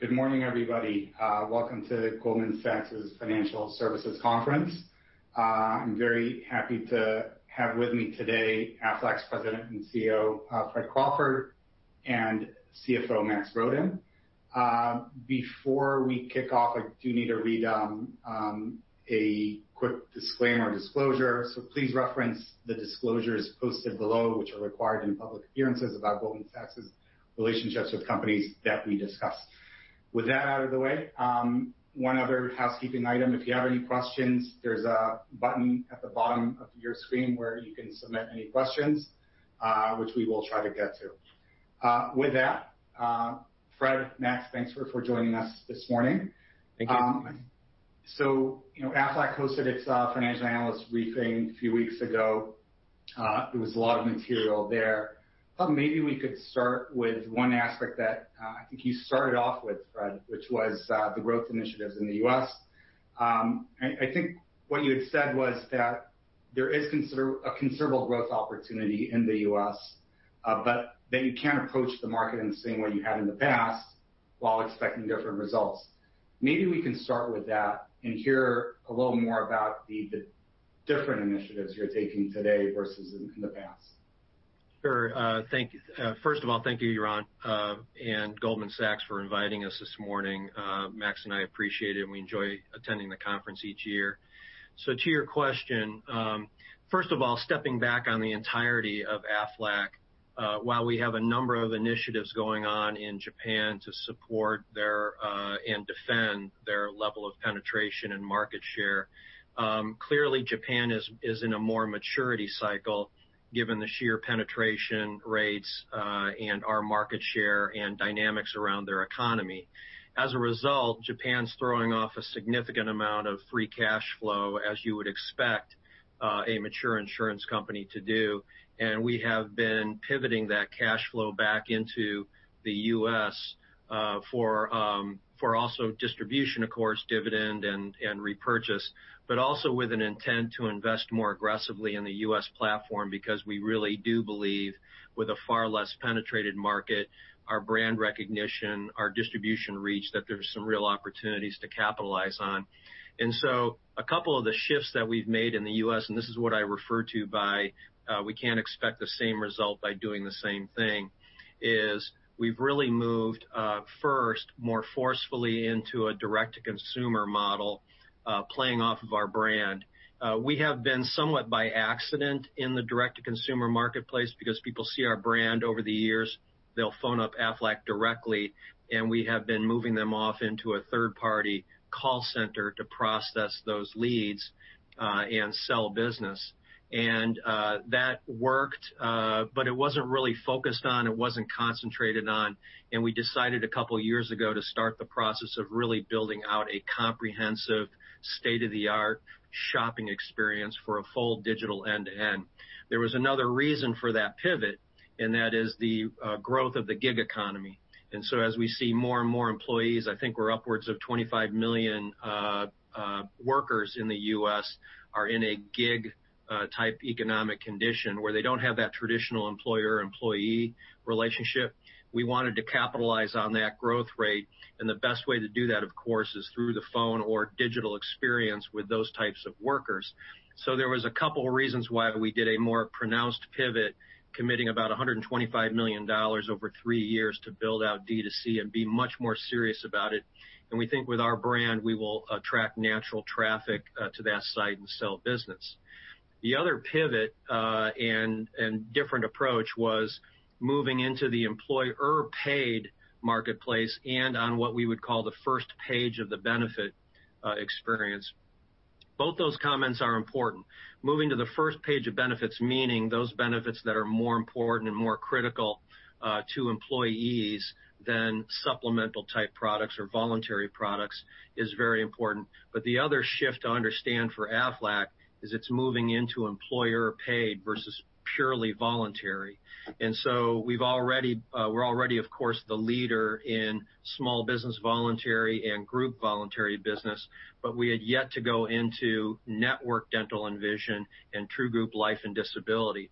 Good morning, everybody. Welcome to Goldman Sachs' Financial Services Conference. I'm very happy to have with me today, Aflac's President and CEO, Fred Crawford, and CFO, Max Brodén. Before we kick off, I do need to read a quick disclaimer disclosure. Please reference the disclosures posted below, which are required in public appearances about Goldman Sachs' relationships with companies that we discuss. With that out of the way, one other housekeeping item, if you have any questions, there's a button at the bottom of your screen where you can submit any questions, which we will try to get to. With that, Fred, Max, thanks for joining us this morning. Thank you. Aflac hosted its financial analyst briefing a few weeks ago. There was a lot of material there. Thought maybe we could start with one aspect that I think you started off with, Fred, which was the growth initiatives in the U.S. I think what you had said was that there is a considerable growth opportunity in the U.S., but that you can't approach the market in the same way you have in the past while expecting different results. Maybe we can start with that and hear a little more about the different initiatives you're taking today versus in the past. Sure. First of all, thank you, Yaron, and Goldman Sachs for inviting us this morning. Max and I appreciate it, and we enjoy attending the conference each year. To your question, first of all, stepping back on the entirety of Aflac, while we have a number of initiatives going on in Japan to support and defend their level of penetration and market share, clearly Japan is in a more maturity cycle given the sheer penetration rates and our market share and dynamics around their economy. As a result, Japan's throwing off a significant amount of free cash flow, as you would expect a mature insurance company to do. We have been pivoting that cash flow back into the U.S. for also distribution, of course, dividend and repurchase, but also with an intent to invest more aggressively in the U.S. platform because we really do believe with a far less penetrated market, our brand recognition, our distribution reach, that there's some real opportunities to capitalize on. A couple of the shifts that we've made in the U.S., and this is what I refer to by we can't expect the same result by doing the same thing, is we've really moved first more forcefully into a direct-to-consumer model playing off of our brand. We have been somewhat by accident in the direct-to-consumer marketplace because people see our brand over the years, they'll phone up Aflac directly, and we have been moving them off into a third-party call center to process those leads, and sell business. That worked, but it wasn't really focused on, it wasn't concentrated on, and we decided a couple of years ago to start the process of really building out a comprehensive state-of-the-art shopping experience for a full digital end-to-end. There was another reason for that pivot, and that is the growth of the gig economy. As we see more and more employees, I think we're upwards of 25 million workers in the U.S. are in a gig-type economic condition where they don't have that traditional employer-employee relationship. We wanted to capitalize on that growth rate, and the best way to do that, of course, is through the phone or digital experience with those types of workers. There was a couple of reasons why we did a more pronounced pivot, committing about $125 million over three years to build out D2C and be much more serious about it. We think with our brand, we will attract natural traffic to that site and sell business. The other pivot, and different approach was moving into the employer-paid marketplace and on what we would call the first page of the benefit experience. Both those comments are important. Moving to the first page of benefits, meaning those benefits that are more important and more critical to employees than supplemental-type products or voluntary products is very important. The other shift to understand for Aflac is it's moving into employer-paid versus purely voluntary. We're already, of course, the leader in small business voluntary and group voluntary business, but we had yet to go into network dental and vision and true group life and disability.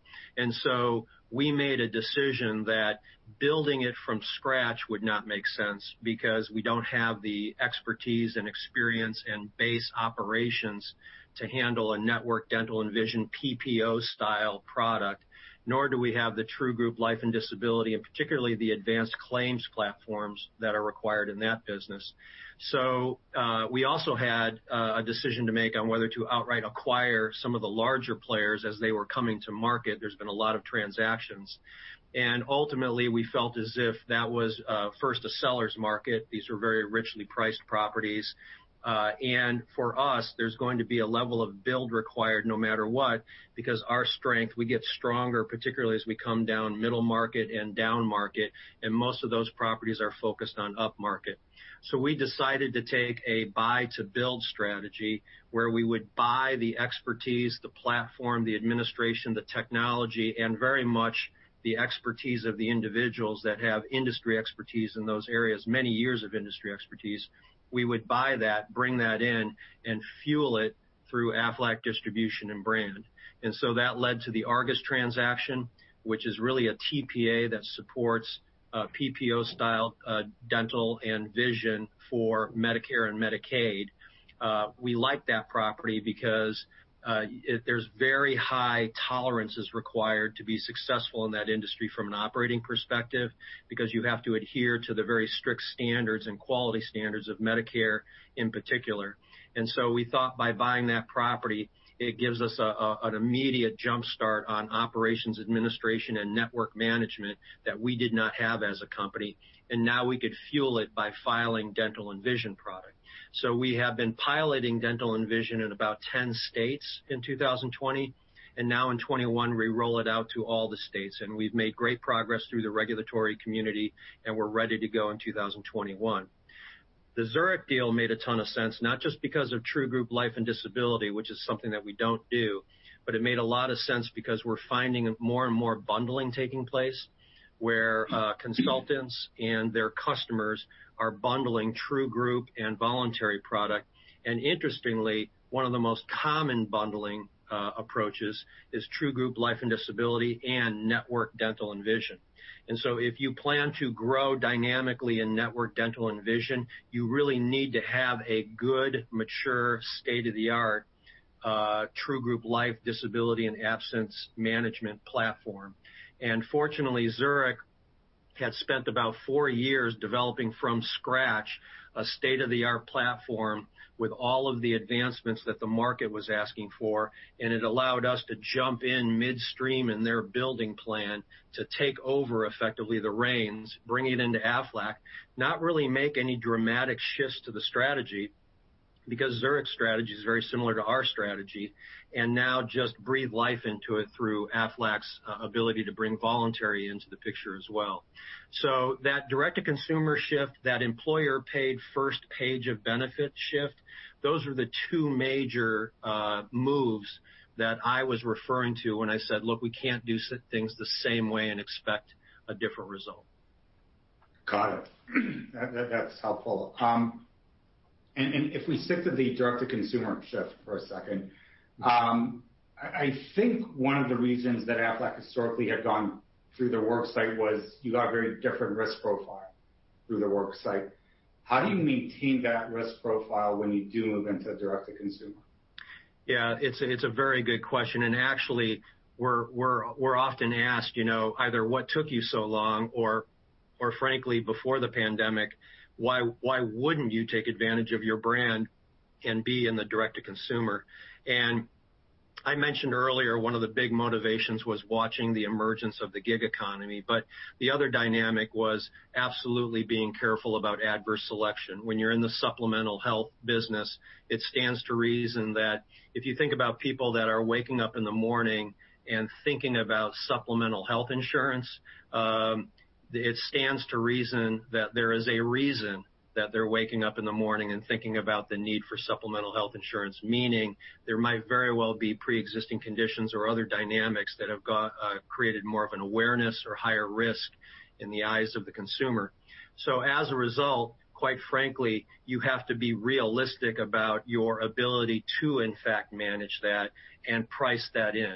We made a decision that building it from scratch would not make sense because we don't have the expertise and experience and base operations to handle a network dental and vision PPO-style product, nor do we have the true group life and disability, and particularly the advanced claims platforms that are required in that business. We also had a decision to make on whether to outright acquire some of the larger players as they were coming to market. There's been a lot of transactions. Ultimately, we felt as if that was first a seller's market. These were very richly priced properties. For us, there's going to be a level of build required no matter what, because our strength, we get stronger, particularly as we come down middle market and down market, and most of those properties are focused on upmarket. We decided to take a buy-to-build strategy where we would buy the expertise, the platform, the administration, the technology, and very much the expertise of the individuals that have industry expertise in those areas, many years of industry expertise. We would buy that, bring that in, and fuel it through Aflac distribution and brand. That led to the Argus transaction, which is really a TPA that supports PPO-style dental and vision for Medicare and Medicaid. We like that property because there's very high tolerances required to be successful in that industry from an operating perspective because you have to adhere to the very strict standards and quality standards of Medicare in particular. We thought by buying that property, it gives us an immediate jump start on operations, administration, and network management that we did not have as a company, and now we could fuel it by filing dental and vision product. We have been piloting dental and vision in about 10 states in 2020, and now in 2021, we roll it out to all the states, and we've made great progress through the regulatory community, and we're ready to go in 2021. The Zurich deal made a ton of sense, not just because of true group life and disability, which is something that we don't do, but it made a lot of sense because we're finding more and more bundling taking place where consultants and their customers are bundling true group and voluntary product. Interestingly, one of the most common bundling approaches is true group life and disability and network dental and vision. If you plan to grow dynamically in network dental and vision, you really need to have a good, mature, state-of-the-art true group life disability and absence management platform. Fortunately, Zurich had spent about four years developing from scratch a state-of-the-art platform with all of the advancements that the market was asking for, and it allowed us to jump in midstream in their building plan to take over effectively the reins, bring it into Aflac, not really make any dramatic shifts to the strategy because Zurich's strategy is very similar to our strategy, and now just breathe life into it through Aflac's ability to bring voluntary into the picture as well. That direct-to-consumer shift, that employer-paid first page of benefit shift, those are the two major moves that I was referring to when I said, "Look, we can't do things the same way and expect a different result. Got it. That's helpful. If we stick to the direct-to-consumer shift for a second, I think one of the reasons that Aflac historically had gone through the work site was you got a very different risk profile through the work site. How do you maintain that risk profile when you do move into direct-to-consumer? Yeah, it's a very good question. Actually, we're often asked either what took you so long or frankly, before the pandemic, why wouldn't you take advantage of your brand and be in the direct-to-consumer? I mentioned earlier, one of the big motivations was watching the emergence of the gig economy. The other dynamic was absolutely being careful about adverse selection. When you're in the supplemental health business, it stands to reason that if you think about people that are waking up in the morning and thinking about supplemental health insurance, it stands to reason that there is a reason that they're waking up in the morning and thinking about the need for supplemental health insurance, meaning there might very well be preexisting conditions or other dynamics that have created more of an awareness or higher risk in the eyes of the consumer. As a result, quite frankly, you have to be realistic about your ability to, in fact, manage that and price that in.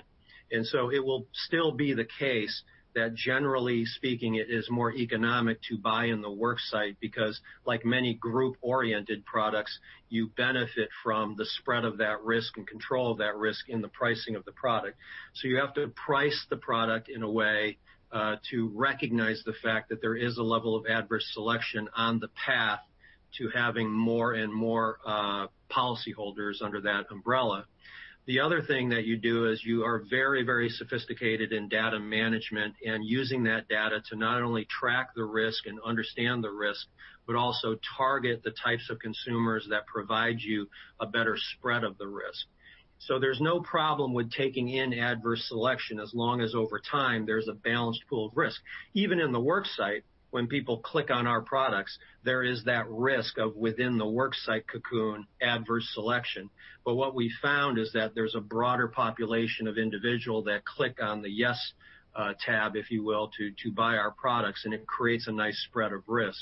It will still be the case that generally speaking, it is more economic to buy in the work site because, like many group-oriented products, you benefit from the spread of that risk and control of that risk in the pricing of the product. You have to price the product in a way to recognize the fact that there is a level of adverse selection on the path to having more and more policyholders under that umbrella. The other thing that you do is you are very, very sophisticated in data management and using that data to not only track the risk and understand the risk, but also target the types of consumers that provide you a better spread of the risk. There's no problem with taking in adverse selection as long as over time there's a balanced pool of risk. Even in the work site, when people click on our products, there is that risk of within the work site cocoon adverse selection. What we found is that there's a broader population of individual that click on the yes tab, if you will, to buy our products, and it creates a nice spread of risk.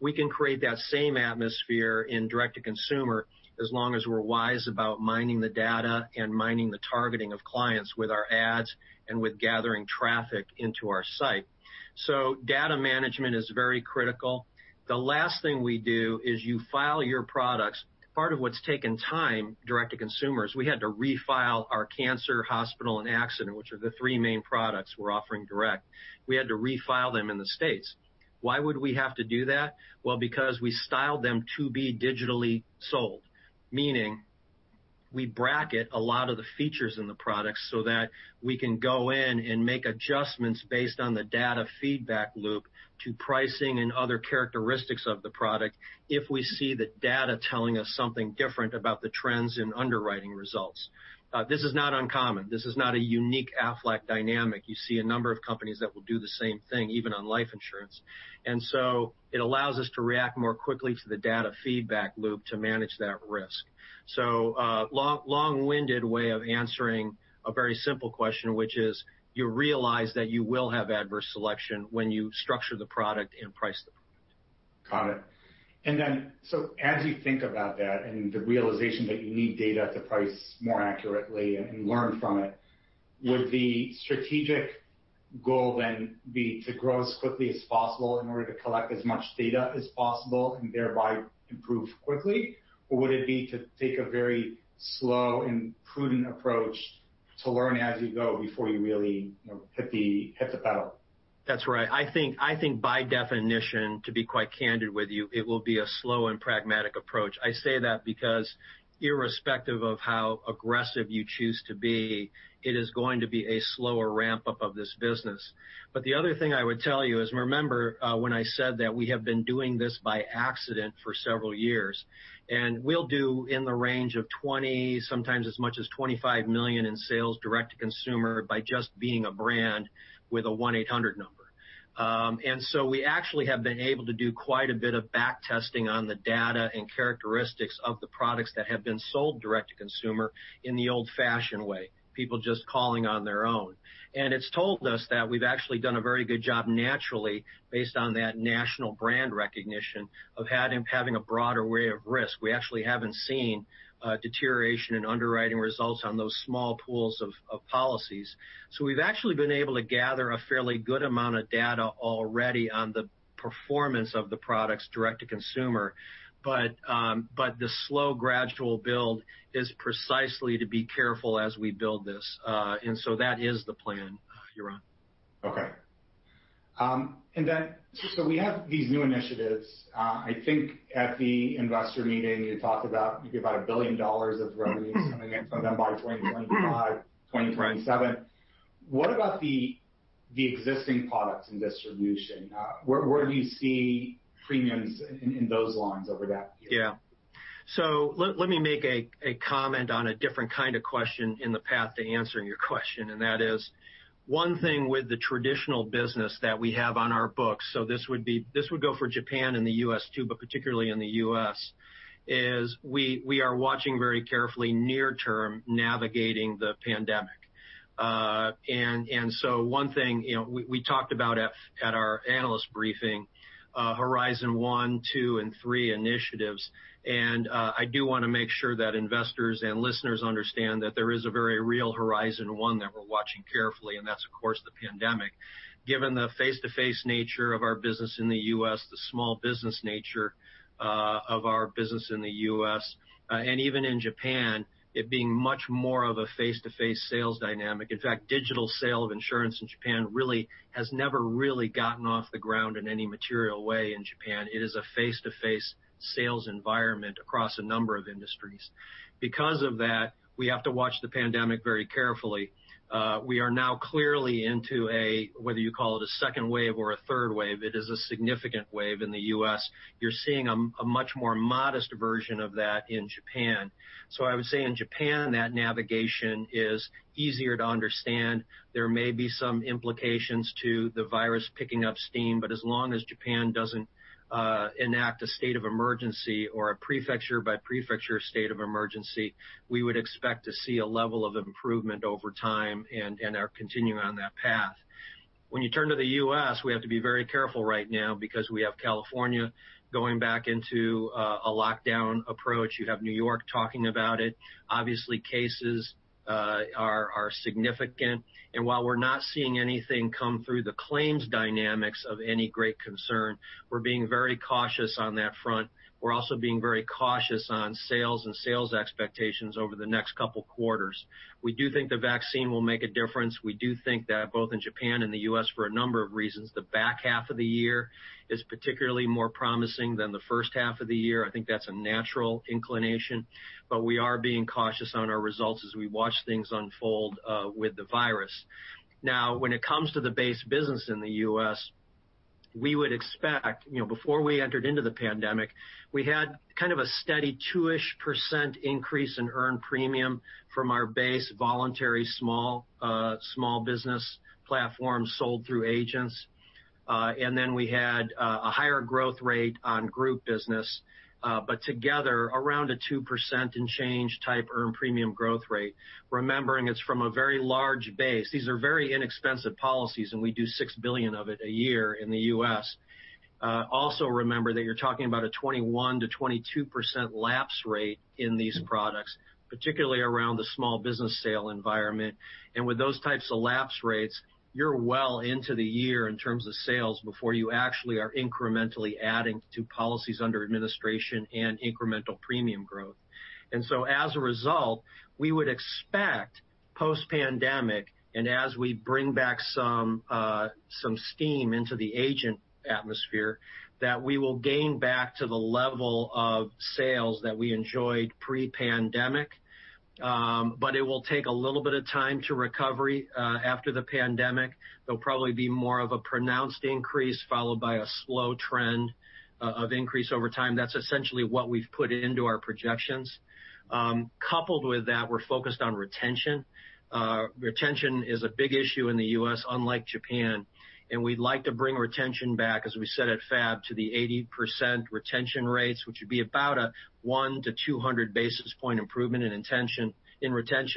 We can create that same atmosphere in direct-to-consumer as long as we're wise about mining the data and mining the targeting of clients with our ads and with gathering traffic into our site. Data management is very critical. The last thing we do is you file your products. Part of what's taken time direct-to-consumer is we had to refile our cancer, hospital, and accident, which are the three main products we're offering direct. We had to refile them in the U.S. Why would we have to do that? Because we styled them to be digitally sold, meaning we bracket a lot of the features in the products so that we can go in and make adjustments based on the data feedback loop to pricing and other characteristics of the product if we see the data telling us something different about the trends in underwriting results. This is not uncommon. This is not a unique Aflac dynamic. You see a number of companies that will do the same thing, even on life insurance. It allows us to react more quickly to the data feedback loop to manage that risk. A long-winded way of answering a very simple question, which is you realize that you will have adverse selection when you structure the product and price the product. Got it. As you think about that and the realization that you need data to price more accurately and learn from it, would the strategic goal then be to grow as quickly as possible in order to collect as much data as possible and thereby improve quickly? Or would it be to take a very slow and prudent approach to learn as you go before you really hit the pedal? That's right. I think by definition, to be quite candid with you, it will be a slow and pragmatic approach. I say that because irrespective of how aggressive you choose to be, it is going to be a slower ramp-up of this business. The other thing I would tell you is, remember when I said that we have been doing this by accident for several years, and we'll do in the range of $20 million, sometimes as much as $25 million in sales direct-to-consumer by just being a brand with a 1-800 number. We actually have been able to do quite a bit of back testing on the data and characteristics of the products that have been sold direct-to-consumer in the old-fashioned way, people just calling on their own. It's told us that we've actually done a very good job naturally based on that national brand recognition of having a broader way of risk. We actually haven't seen a deterioration in underwriting results on those small pools of policies. We've actually been able to gather a fairly good amount of data already on the performance of the products direct-to-consumer. The slow gradual build is precisely to be careful as we build this. That is the plan, Yaron. Okay. We have these new initiatives. I think at the investor meeting, you talked about maybe about $1 billion of revenues coming in from them by 2025, 2027. What about the existing products and distribution? Where do you see premiums in those lines over that period? Yeah. Let me make a comment on a different kind of question in the path to answering your question, that is one thing with the traditional business that we have on our books, this would go for Japan and the U.S. too, but particularly in the U.S., is we are watching very carefully near term navigating the pandemic. One thing we talked about at our analyst briefing, horizon one, two, and three initiatives, I do want to make sure that investors and listeners understand that there is a very real horizon one that we're watching carefully, that's of course the pandemic. Given the face-to-face nature of our business in the U.S., the small business nature of our business in the U.S., and even in Japan, it being much more of a face-to-face sales dynamic. In fact, digital sale of insurance in Japan really has never really gotten off the ground in any material way in Japan. It is a face-to-face sales environment across a number of industries. Because of that, we have to watch the pandemic very carefully. We are now clearly into a, whether you call it a second wave or a third wave, it is a significant wave in the U.S. You're seeing a much more modest version of that in Japan. I would say in Japan, that navigation is easier to understand. There may be some implications to the virus picking up steam, but as long as Japan doesn't enact a state of emergency or a prefecture by prefecture state of emergency, we would expect to see a level of improvement over time and are continuing on that path. When you turn to the U.S., we have to be very careful right now because we have California going back into a lockdown approach. You have New York talking about it. Obviously, cases are significant. While we're not seeing anything come through the claims dynamics of any great concern, we're being very cautious on that front. We're also being very cautious on sales and sales expectations over the next couple quarters. We do think the vaccine will make a difference. We do think that both in Japan and the U.S. for a number of reasons, the back half of the year is particularly more promising than the first half of the year. I think that's a natural inclination. We are being cautious on our results as we watch things unfold with the virus. When it comes to the base business in the U.S., we would expect, before we entered into the pandemic, we had kind of a steady two-ish percent increase in earned premium from our base voluntary small business platform sold through agents. We had a higher growth rate on group business, but together around a 2% and change type earned premium growth rate. Remembering it's from a very large base. These are very inexpensive policies, and we do $6 billion of it a year in the U.S. Also remember that you're talking about a 21%-22% lapse rate in these products, particularly around the small business sale environment. With those types of lapse rates, you're well into the year in terms of sales before you actually are incrementally adding to policies under administration and incremental premium growth. As a result, we would expect post-pandemic, and as we bring back some steam into the agent atmosphere, that we will gain back to the level of sales that we enjoyed pre-pandemic. It will take a little bit of time to recovery after the pandemic. There'll probably be more of a pronounced increase followed by a slow trend of increase over time. That's essentially what we've put into our projections. Coupled with that, we're focused on retention. Retention is a big issue in the U.S., unlike Japan, and we'd like to bring retention back, as we said at FAB, to the 80% retention rates, which would be about a 100 to 200 basis point improvement in retention.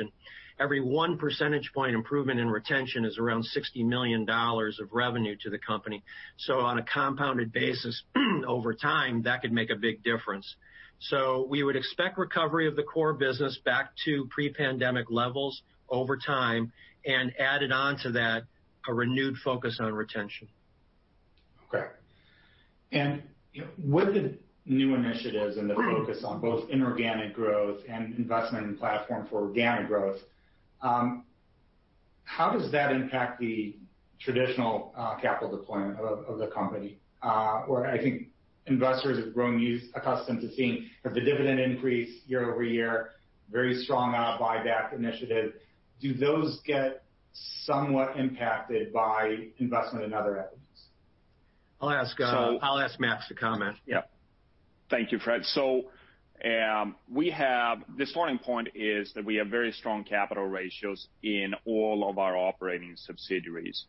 Every one percentage point improvement in retention is around $60 million of revenue to the company. On a compounded basis over time, that could make a big difference. We would expect recovery of the core business back to pre-pandemic levels over time, and added on to that, a renewed focus on retention. Okay. With the new initiatives and the focus on both inorganic growth and investment in platform for organic growth, how does that impact the traditional capital deployment of the company? Where I think investors have grown used, accustomed to seeing have the dividend increase year-over-year, very strong buyback initiative. Do those get somewhat impacted by investment in other equities? I'll ask Max to comment. Yeah. Thank you, Fred. We have the starting point is that we have very strong capital ratios in all of our operating subsidiaries.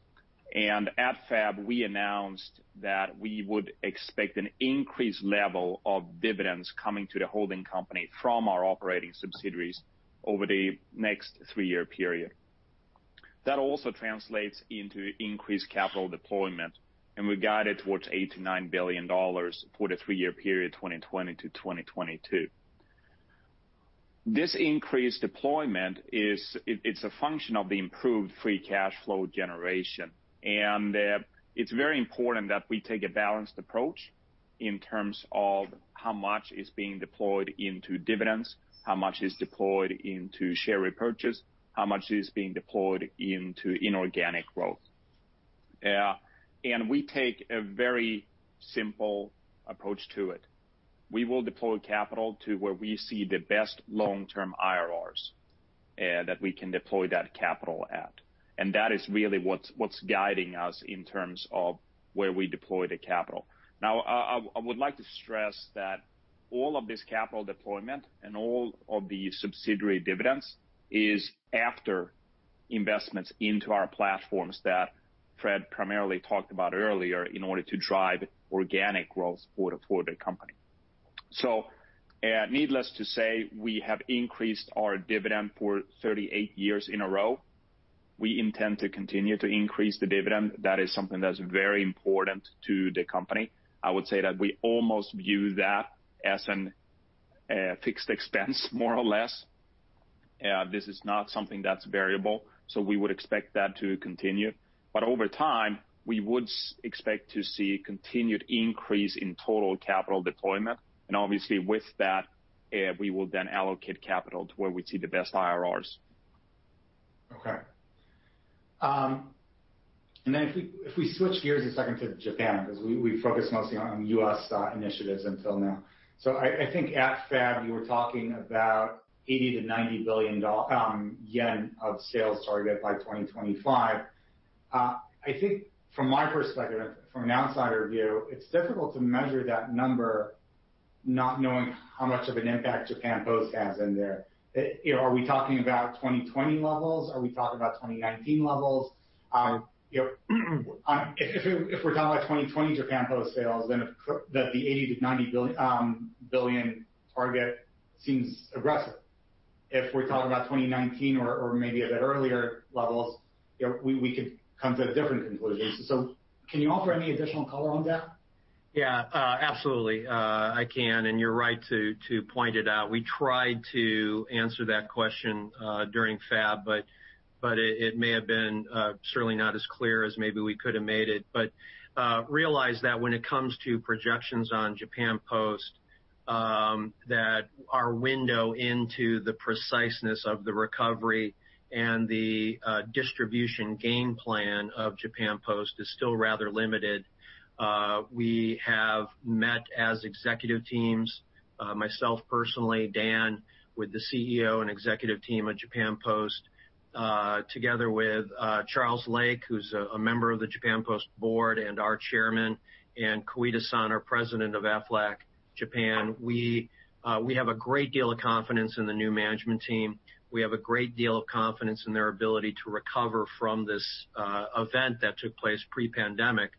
At FAB, we announced that we would expect an increased level of dividends coming to the holding company from our operating subsidiaries over the next three-year period. That also translates into increased capital deployment, and we've guided towards $8 billion to $9 billion for the three-year period, 2020 to 2022. This increased deployment, it's a function of the improved free cash flow generation. It's very important that we take a balanced approach in terms of how much is being deployed into dividends, how much is deployed into share repurchase, how much is being deployed into inorganic growth. We take a very simple approach to it. We will deploy capital to where we see the best long-term IRRs, that we can deploy that capital at. That is really what's guiding us in terms of where we deploy the capital. Now, I would like to stress that all of this capital deployment and all of the subsidiary dividends is after investments into our platforms that Fred primarily talked about earlier in order to drive organic growth for the company. Needless to say, we have increased our dividend for 38 years in a row. We intend to continue to increase the dividend. That is something that's very important to the company. I would say that we almost view that as a fixed expense, more or less. This is not something that's variable, we would expect that to continue. Over time, we would expect to see continued increase in total capital deployment. Obviously with that, we will then allocate capital to where we see the best IRRs. Okay. If we switch gears a second to Japan, because we focused mostly on U.S. initiatives until now. At FAB, you were talking about 80 billion-90 billion yen of sales target by 2025. From my perspective, from an outsider view, it is difficult to measure that number not knowing how much of an impact Japan Post has in there. Are we talking about 2020 levels? Are we talking about 2019 levels? If we are talking about 2020 Japan Post sales, the 80 billion-90 billion target seems aggressive. If we are talking about 2019 or maybe a bit earlier levels, we could come to a different conclusion. Can you offer any additional color on that? Absolutely. I can, you are right to point it out. We tried to answer that question during FAB, it may have been certainly not as clear as maybe we could have made it. Realize that when it comes to projections on Japan Post, that our window into the preciseness of the recovery and the distribution game plan of Japan Post is still rather limited. We have met as executive teams, myself personally, Dan, with the CEO and executive team of Japan Post, together with Charles Lake, who is a member of the Japan Post board and our chairman, and Koide-san, our president of Aflac Japan. We have a great deal of confidence in the new management team. We have a great deal of confidence in their ability to recover from this event that took place pre-pandemic.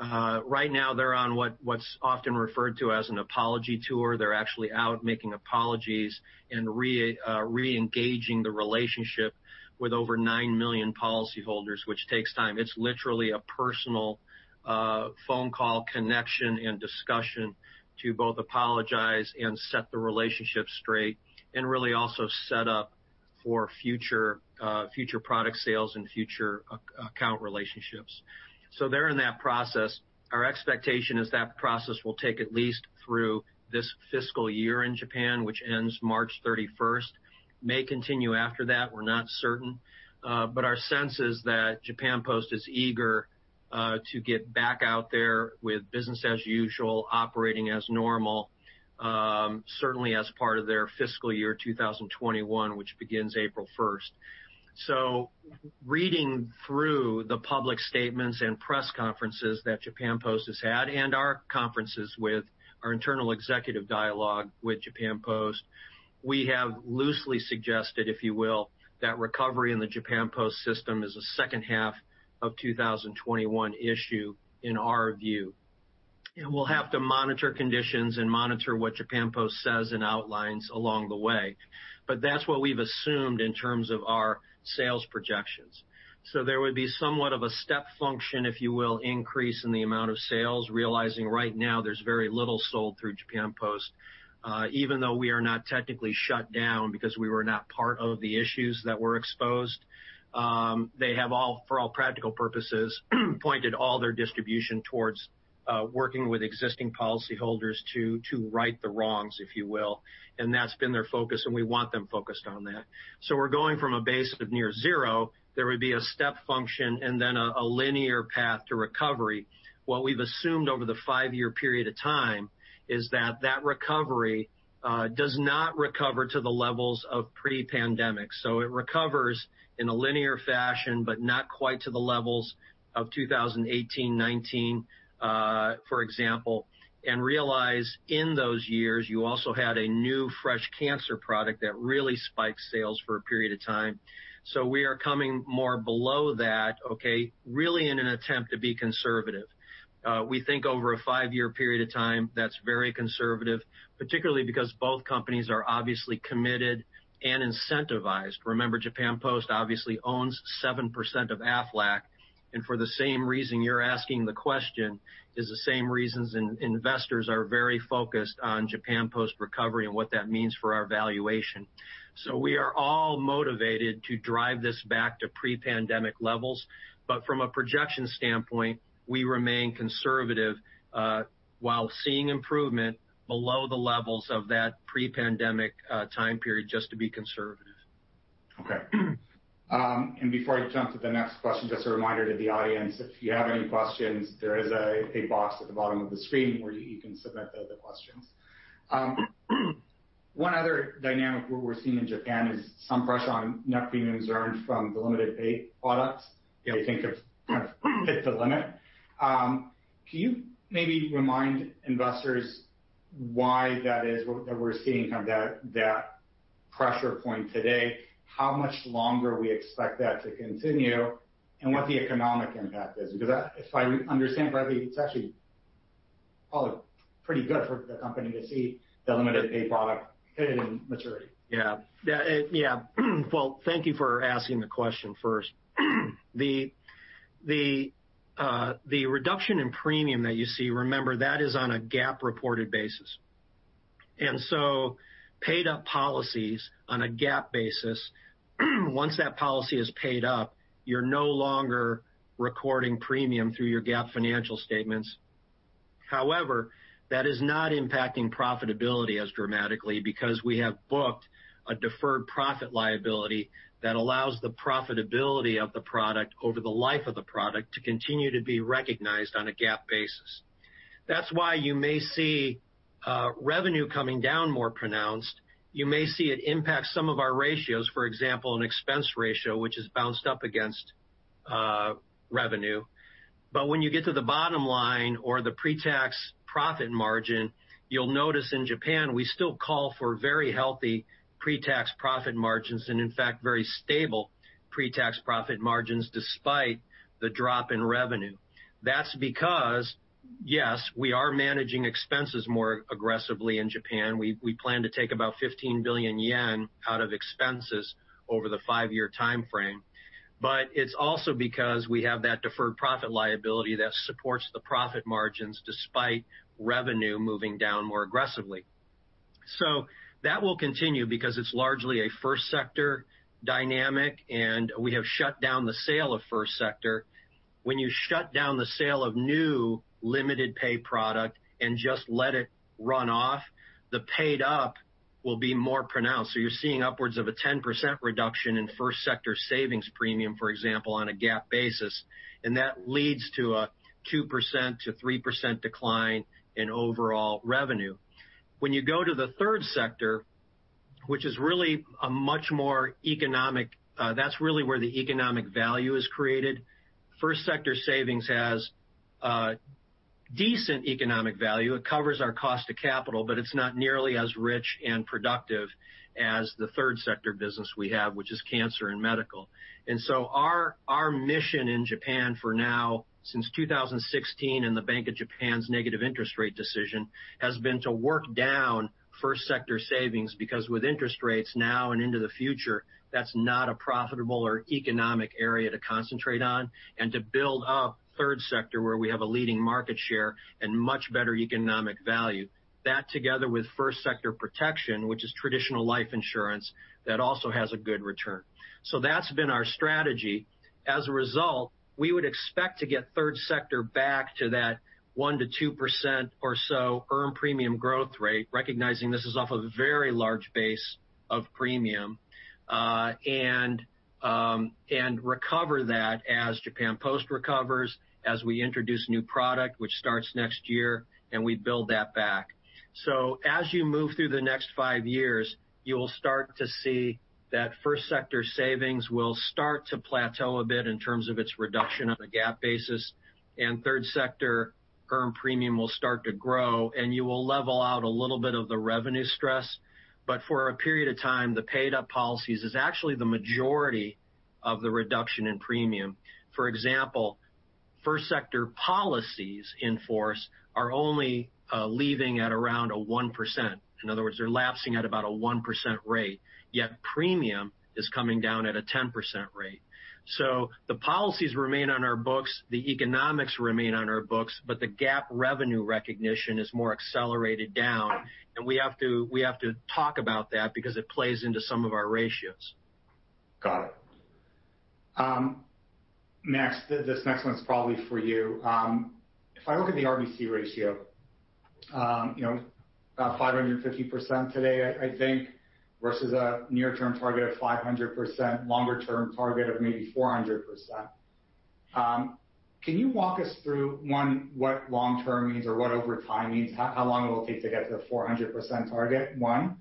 Right now, they are on what is often referred to as an apology tour. They are actually out making apologies and re-engaging the relationship with over 9 million policyholders, which takes time. It is literally a personal phone call connection and discussion to both apologize and set the relationship straight and really also set up for future product sales and future account relationships. They are in that process. Our expectation is that process will take at least through this fiscal year in Japan, which ends March 31st, may continue after that, we are not certain. Our sense is that Japan Post is eager to get back out there with business as usual, operating as normal, certainly as part of their fiscal year 2021, which begins April 1st. Reading through the public statements and press conferences that Japan Post has had and our conferences with our internal executive dialogue with Japan Post, we have loosely suggested, if you will, that recovery in the Japan Post system is a second half of 2021 issue in our view. We will have to monitor conditions and monitor what Japan Post says and outlines along the way. That is what we have assumed in terms of our sales projections. There would be somewhat of a step function, if you will, increase in the amount of sales, realizing right now there is very little sold through Japan Post. Even though we are not technically shut down because we were not part of the issues that were exposed. They have, for all practical purposes, pointed all their distribution towards working with existing policyholders to right the wrongs, if you will. That's been their focus, and we want them focused on that. We're going from a base of near zero, there would be a step function and then a linear path to recovery. What we've assumed over the five-year period of time is that that recovery does not recover to the levels of pre-pandemic. It recovers in a linear fashion, but not quite to the levels of 2018-2019, for example. Realize, in those years, you also had a new, fresh cancer product that really spiked sales for a period of time. We are coming more below that, okay, really in an attempt to be conservative. We think over a five-year period of time, that's very conservative, particularly because both companies are obviously committed and incentivized. Remember, Japan Post obviously owns 7% of Aflac. For the same reason you're asking the question is the same reasons investors are very focused on Japan Post recovery and what that means for our valuation. We are all motivated to drive this back to pre-pandemic levels. From a projection standpoint, we remain conservative while seeing improvement below the levels of that pre-pandemic time period, just to be conservative. Okay. Before I jump to the next question, just a reminder to the audience, if you have any questions, there is a box at the bottom of the screen where you can submit the questions. One other dynamic we're seeing in Japan is some pressure on net premiums earned from the limited pay products. Yeah. They think they've kind of hit the limit. Can you maybe remind investors why that is, that we're seeing that pressure point today, how much longer we expect that to continue, and what the economic impact is? If I understand correctly, it's actually probably pretty good for the company to see the limited pay product hit in maturity. Yeah. Well, thank you for asking the question first. The reduction in premium that you see, remember, that is on a GAAP reported basis. Paid-up policies on a GAAP basis, once that policy is paid up, you're no longer recording premium through your GAAP financial statements. However, that is not impacting profitability as dramatically because we have booked a deferred profit liability that allows the profitability of the product over the life of the product to continue to be recognized on a GAAP basis. That's why you may see revenue coming down more pronounced. You may see it impact some of our ratios, for example, an expense ratio, which has bounced up against revenue. When you get to the bottom line or the pre-tax profit margin, you'll notice in Japan, we still call for very healthy pre-tax profit margins, and in fact, very stable pre-tax profit margins despite the drop in revenue. That's because, yes, we are managing expenses more aggressively in Japan. We plan to take about 15 billion yen out of expenses over the five-year timeframe. It's also because we have that deferred profit liability that supports the profit margins despite revenue moving down more aggressively. That will continue because it's largely a first sector dynamic, and we have shut down the sale of first sector. When you shut down the sale of new limited pay product and just let it run off, the paid-up will be more pronounced. You're seeing upwards of a 10% reduction in first sector savings premium, for example, on a GAAP basis, and that leads to a 2%-3% decline in overall revenue. When you go to the third sector, that's really where the economic value is created. First sector savings has decent economic value. It covers our cost of capital, but it's not nearly as rich and productive as the third sector business we have, which is cancer and medical. Our mission in Japan for now, since 2016 and the Bank of Japan's negative interest rate decision, has been to work down first sector savings because with interest rates now and into the future, that's not a profitable or economic area to concentrate on, and to build up third sector where we have a leading market share and much better economic value. That together with first sector protection, which is traditional life insurance, that also has a good return. That's been our strategy. As a result, we would expect to get third sector back to that 1%-2% or so earned premium growth rate, recognizing this is off a very large base of premium, and recover that as Japan Post recovers, as we introduce new product, which starts next year, and we build that back. As you move through the next five years, you will start to see that first sector savings will start to plateau a bit in terms of its reduction on a GAAP basis, and third sector earned premium will start to grow, and you will level out a little bit of the revenue stress. For a period of time, the paid-up policies is actually the majority of the reduction in premium. For example, first sector policies in force are only leaving at around a 1%. In other words, they're lapsing at about a 1% rate, yet premium is coming down at a 10% rate. The policies remain on our books, the economics remain on our books, but the GAAP revenue recognition is more accelerated down, and we have to talk about that because it plays into some of our ratios. Got it. Max, this next one's probably for you. If I look at the RBC ratio, about 550% today, I think, versus a near-term target of 500%, longer-term target of maybe 400%. Can you walk us through, one, what long-term means or what over time means? How long it will take to get to the 400% target, one.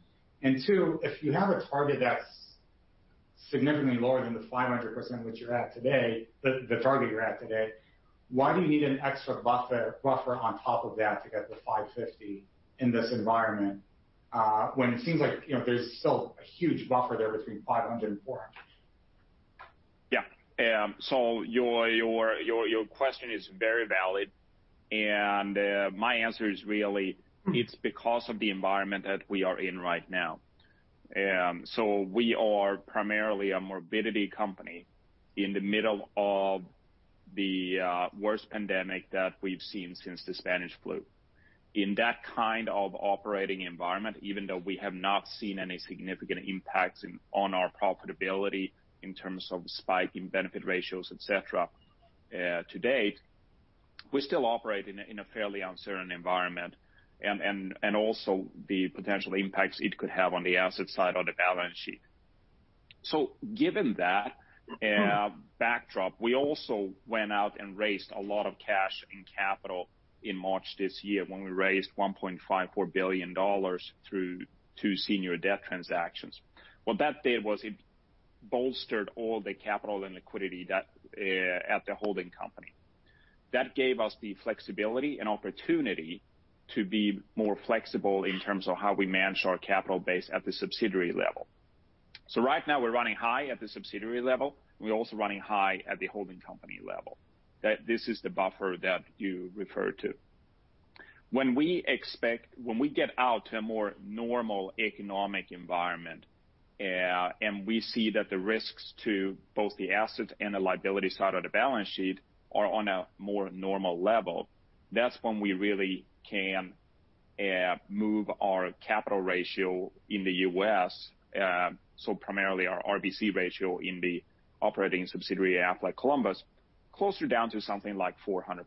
Two, if you have a target that's significantly lower than the 500% the target you're at today, why do you need an extra buffer on top of that to get to 550 in this environment, when it seems like there's still a huge buffer there between 500 and 400? Yeah. Your question is very valid, and my answer is really, it's because of the environment that we are in right now. We are primarily a morbidity company in the middle of the worst pandemic that we've seen since the Spanish flu. In that kind of operating environment, even though we have not seen any significant impacts on our profitability in terms of spike in benefit ratios, et cetera, to date, we still operate in a fairly uncertain environment. Also the potential impacts it could have on the asset side of the balance sheet. Given that backdrop, we also went out and raised a lot of cash in capital in March this year when we raised $1.54 billion through two senior debt transactions. What that did was it bolstered all the capital and liquidity at the holding company. That gave us the flexibility and opportunity to be more flexible in terms of how we manage our capital base at the subsidiary level. Right now we're running high at the subsidiary level. We're also running high at the holding company level. This is the buffer that you referred to. When we get out to a more normal economic environment, and we see that the risks to both the assets and the liability side of the balance sheet are on a more normal level, that's when we really can move our capital ratio in the U.S., so primarily our RBC ratio in the operating subsidiary, Aflac Columbus, closer down to something like 400%.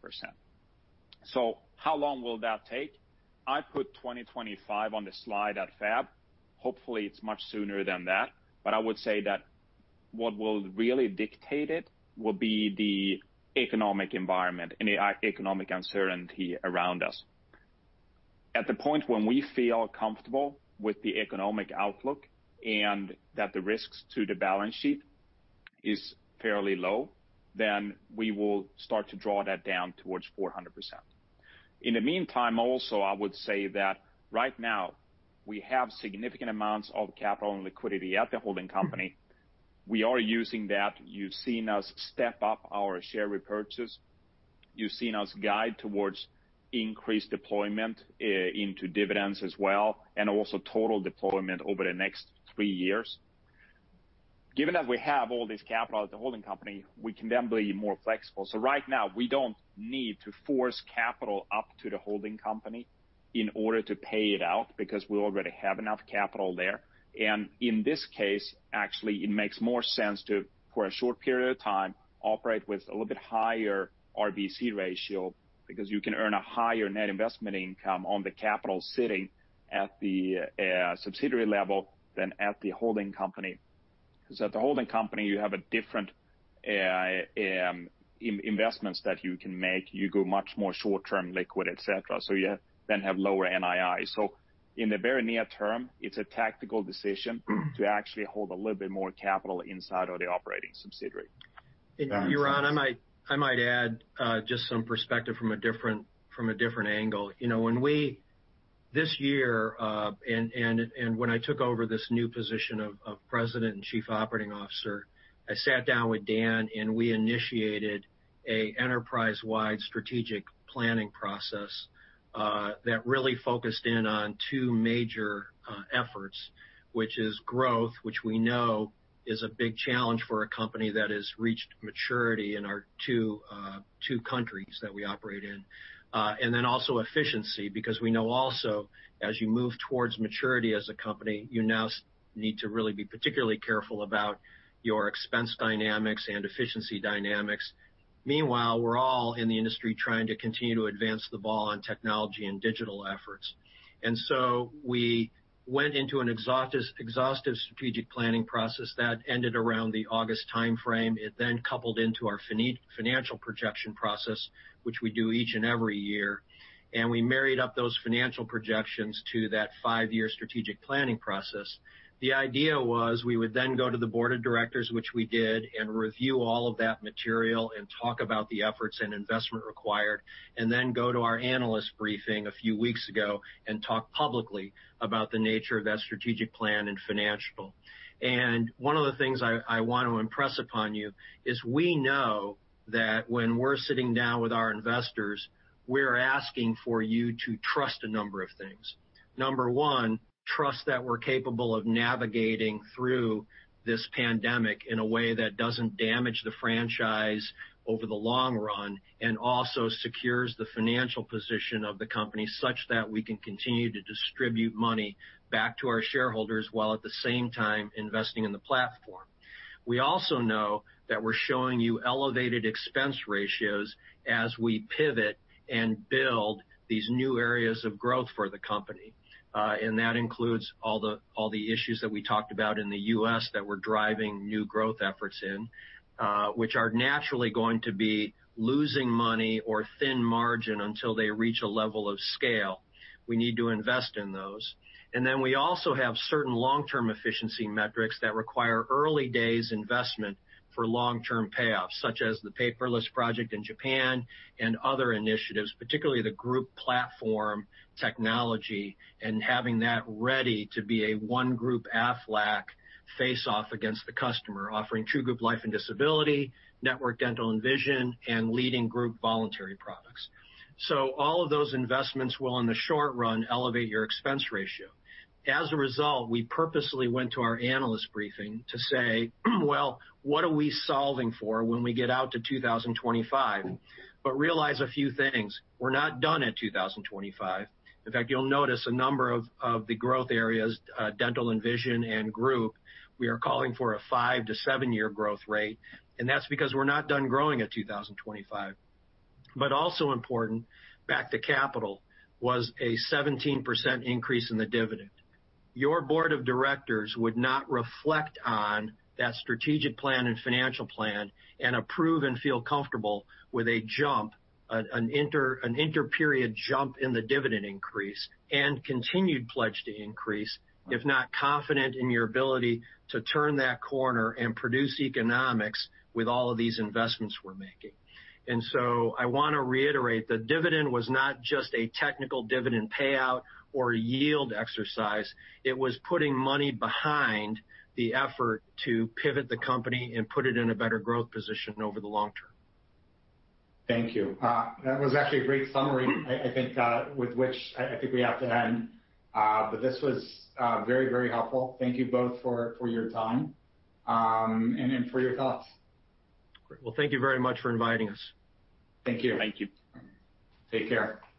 How long will that take? I put 2025 on the slide at FAB. Hopefully, it's much sooner than that, I would say that what will really dictate it will be the economic environment and the economic uncertainty around us. At the point when we feel comfortable with the economic outlook and that the risks to the balance sheet is fairly low, we will start to draw that down towards 400%. I would say that right now we have significant amounts of capital and liquidity at the holding company. We are using that. You've seen us step up our share repurchase. You've seen us guide towards increased deployment into dividends as well, and total deployment over the next three years. Given that we have all this capital at the holding company, we can then be more flexible. Right now, we don't need to force capital up to the holding company in order to pay it out, because we already have enough capital there. In this case, actually, it makes more sense to, for a short period of time, operate with a little bit higher RBC ratio because you can earn a higher net investment income on the capital sitting at the subsidiary level than at the holding company. Because at the holding company, you have a different investments that you can make. You go much more short-term, liquid, et cetera. You then have lower NII. In the very near term, it's a tactical decision to actually hold a little bit more capital inside of the operating subsidiary. Yaron, I might add just some perspective from a different angle. This year, when I took over this new position of President and Chief Operating Officer, I sat down with Dan, we initiated an enterprise-wide strategic planning process that really focused in on two major efforts, which is growth, which we know is a big challenge for a company that has reached maturity in our two countries that we operate in. Then also efficiency, because we know also as you move towards maturity as a company, you now need to really be particularly careful about your expense dynamics and efficiency dynamics. Meanwhile, we're all in the industry trying to continue to advance the ball on technology and digital efforts. So we went into an exhaustive strategic planning process that ended around the August timeframe. It coupled into our financial projection process, which we do each and every year. We married up those financial projections to that five-year strategic planning process. The idea was we would then go to the board of directors, which we did, and review all of that material and talk about the efforts and investment required, and then go to our analyst briefing a few weeks ago and talk publicly about the nature of that strategic plan and financial. One of the things I want to impress upon you is we know that when we're sitting down with our investors, we're asking for you to trust a number of things. Number one, trust that we're capable of navigating through this pandemic in a way that doesn't damage the franchise over the long run, and also secures the financial position of the company such that we can continue to distribute money back to our shareholders, while at the same time investing in the platform. We also know that we're showing you elevated expense ratios as we pivot and build these new areas of growth for the company. That includes all the issues that we talked about in the U.S. that we're driving new growth efforts in, which are naturally going to be losing money or thin margin until they reach a level of scale. We need to invest in those. We also have certain long-term efficiency metrics that require early days investment for long-term payoffs, such as the paperless project in Japan and other initiatives, particularly the group platform technology and having that ready to be a one group Aflac face off against the customer, offering true group life and disability, network dental and vision, and leading group voluntary products. All of those investments will, in the short run, elevate your expense ratio. As a result, we purposely went to our analyst briefing to say "Well, what are we solving for when we get out to 2025?" Realize a few things. We're not done at 2025. In fact, you'll notice a number of the growth areas, dental and vision and group, we are calling for a five to seven-year growth rate, and that's because we're not done growing at 2025. Also important, back to capital, was a 17% increase in the dividend. Your board of directors would not reflect on that strategic plan and financial plan and approve and feel comfortable with a jump, an interperiod jump in the dividend increase and continued pledge to increase, if not confident in your ability to turn that corner and produce economics with all of these investments we're making. I want to reiterate, the dividend was not just a technical dividend payout or yield exercise. It was putting money behind the effort to pivot the company and put it in a better growth position over the long term. Thank you. That was actually a great summary, I think, with which I think we have to end. This was very helpful. Thank you both for your time and for your thoughts. Great. Well, thank you very much for inviting us. Thank you. Thank you. Take care. Take care.